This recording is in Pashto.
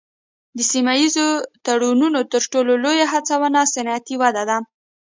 د سیمه ایزو تړونونو تر ټولو لوی هڅونه صنعتي وده ده